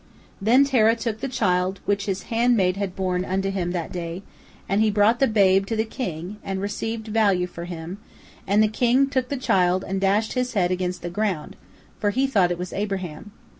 Then Terah took a child which his handmaid had borne unto him that day, and he brought the babe to the king, and received value for him, and the king took the child and dashed his head against the ground, for he thought it was Abraham.